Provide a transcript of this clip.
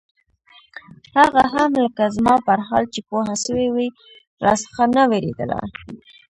هغه هم لکه زما پر حال چې پوهه سوې وي راڅخه نه وېرېدله.